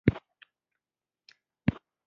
دا مېوې د تمدن خوږوالی و.